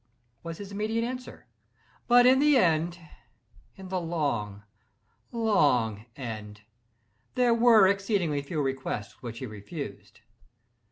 was his immediate answer; but in the end—in the long, long end—there were exceedingly few requests which he refused.